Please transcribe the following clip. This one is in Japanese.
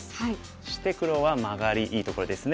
そして黒はマガリいいところですね。